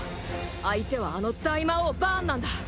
相手はあの大魔王バーンなんだ。